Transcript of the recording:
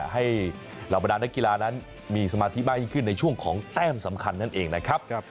เหล่าบรรดานักกีฬานั้นมีสมาธิมากยิ่งขึ้นในช่วงของแต้มสำคัญนั่นเองนะครับ